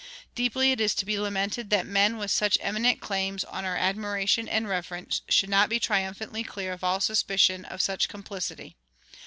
Deeply is it to be lamented that men with such eminent claims on our admiration and reverence should not be triumphantly clear of all suspicion of such complicity.